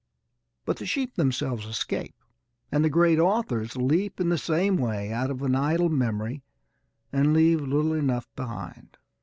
But the sheep themselves escape, and the great authors leap in the same way out of an idle memory and leave little enough behind.